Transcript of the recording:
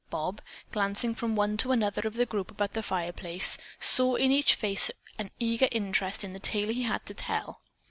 Bob, glancing from one to another of the group about the fireplace, saw in each face an eager interest in the tale he had to tell.